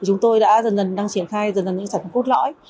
chúng tôi đã dần dần đang triển khai dần dần những sản phẩm cốt lõi